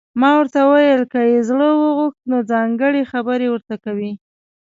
ما ورته وویل: که یې زړه وغوښت، نو ځانګړي خبرې ورته کوي.